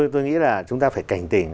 tôi nghĩ là chúng ta phải cảnh tỉnh